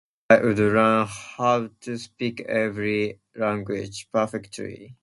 I would learn how to speak every language perfectly.